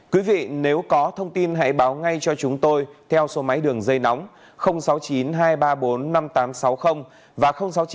quý vị nếu có thông tin hãy báo ngay cho chúng tôi theo số máy đường dây nóng sáu mươi chín hai trăm ba mươi bốn năm nghìn tám trăm sáu mươi và sáu mươi chín hai trăm ba mươi một một nghìn sáu trăm bảy